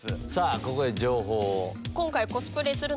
ここで情報を。